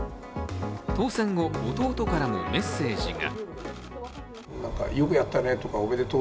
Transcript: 当選後、弟からもメッセージが。